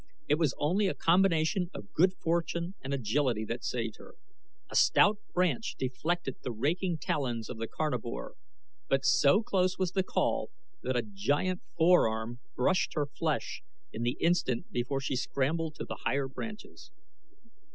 It was only a combination of good fortune and agility that saved her. A stout branch deflected the raking talons of the carnivore, but so close was the call that a giant forearm brushed her flesh in the instant before she scrambled to the higher branches.